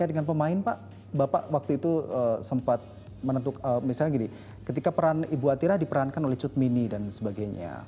dengan pemain pak bapak waktu itu sempat menentukan misalnya gini ketika peran ibu atira diperankan oleh cut mini dan sebagainya